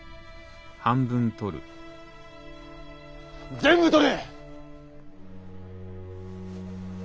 全部取れ！